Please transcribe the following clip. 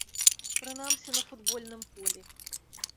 Прынамсі на футбольным полі.